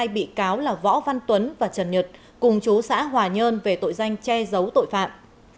hai bị cáo là võ văn tuấn và trần nhật cùng chú xã hòa nhơn về tội danh che giấu tội phạm